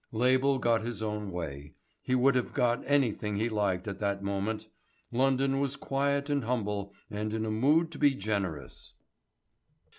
Label got his own way, he would have got anything he liked at that moment. London was quiet and humble and in a mood to be generous.